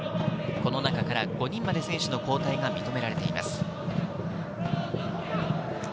この中から５人まで選手の交代が認められています。